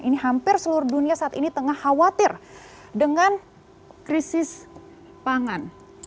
ini hampir seluruh dunia saat ini tengah khawatir dengan krisis pangan